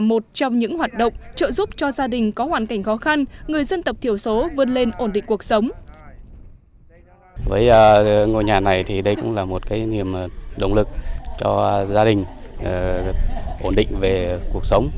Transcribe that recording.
hỗ trợ những đối tượng có hoàn cảnh khó khăn đặc biệt là đồng bào dân tộc nhằm giúp họ vươn lên ổn định cuộc sống